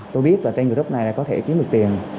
tôi biết trên group này có thể kiếm được tiền